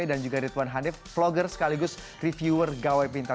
dan juga ridwan hanif vlogger sekaligus reviewer gawai pintar